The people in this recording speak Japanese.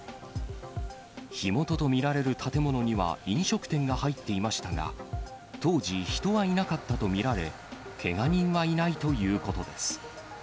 火元と見られる建物には飲食店が入っていましたが、当時、人はいなかったと見られ、けが人はいないということです。